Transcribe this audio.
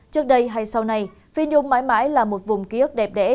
trước đây hay sau này phi nhung mãi mãi là một vùng ký ức đẹp đẽ